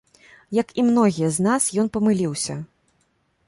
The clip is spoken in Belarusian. Як і многія з нас, ён памыліўся.